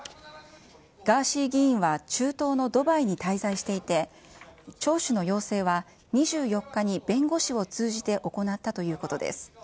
ガーシー議員は中東のドバイに滞在していて、聴取の要請は、２４日に弁護士を通じて行ったということです。